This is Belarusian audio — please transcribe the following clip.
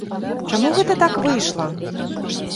Чаму гэта так выйшла?